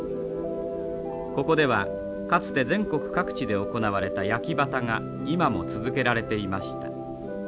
ここではかつて全国各地で行われた焼畑が今も続けられていました。